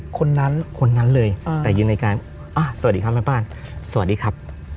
คนนั้นคนนั้นเลยแต่ยืนในการสวัสดีครับแม่บ้านสวัสดีครับ